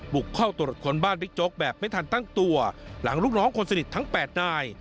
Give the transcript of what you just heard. บุกเข้าตรวจคนบ้านบิ๊กโจ๊กแบบไม่ทันตั้งตัวหลังลูกน้องคนสนิททั้ง๘นาย